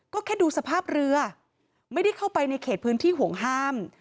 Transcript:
ก็แค่ดูสภาพเรือไม่ได้เข้าไปในเขตพื้นที่ห่วงห้าม